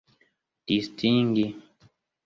distingi